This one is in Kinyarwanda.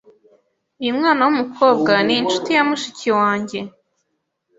Uyu mwana wumukobwa ninshuti ya mushiki wanjye.